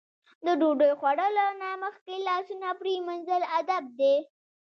د ډوډۍ خوړلو نه مخکې لاسونه پرېمنځل ادب دی.